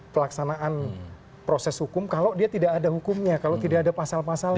pelaksanaan proses hukum kalau dia tidak ada hukumnya kalau tidak ada pasal pasalnya